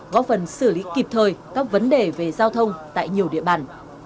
góp phần xử lý kịp thời các vấn đề về giao thông tại nhiều địa bàn